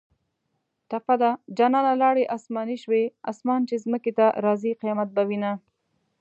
ټپه ده: جانانه لاړې اسماني شوې اسمان چې ځمکې ته راځۍ قیامت به وینه